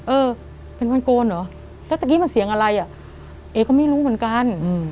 เออเป็นวันโกนเหรอแล้วตะกี้มันเสียงอะไรอ่ะเอ๊ก็ไม่รู้เหมือนกัน